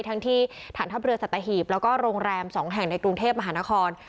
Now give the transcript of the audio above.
ทั้งที่ฐานทัพเรือสัตหีบแล้วก็โรงแรม๒แห่งในกรุงเทพมหานคร